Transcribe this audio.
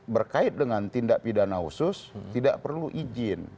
berkait dengan tindak pidana khusus tidak perlu izin